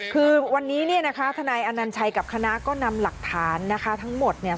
คือวันนี้เนี่ยนะคะทนายอนัญชัยกับคณะก็นำหลักฐานนะคะทั้งหมดเนี่ย